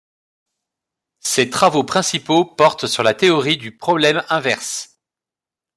Ses travaux principaux portent sur la théorie du problème inverse.